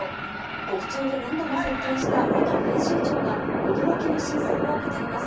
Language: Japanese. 獄中で何度も接見した元編集長が、驚きの真相を語ります。